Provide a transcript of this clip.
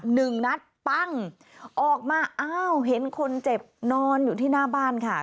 หนึ่งนัดปั้งออกมาอ้าวเห็นคนเจ็บนอนอยู่ที่หน้าบ้านค่ะ